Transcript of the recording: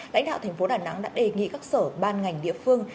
lãnh đạo thành phố đà nẵng đã đề nghị các sở ban ngành địa phương